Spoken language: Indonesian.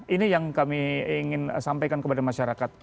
ini yang kami ingin sampaikan kepada masyarakat